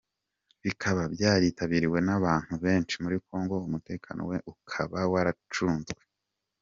bikaba byaritabiriwe nabantu benshi, muri Congo umutekano we ukaba warucunnzwe.